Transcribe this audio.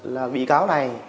là bị cáo này